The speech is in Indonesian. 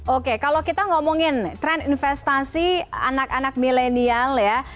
oke kalau kita ngomongin tren investasi anak anak milenial ya